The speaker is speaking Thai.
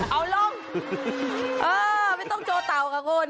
เอาลงเออไม่ต้องโจเตากะโกน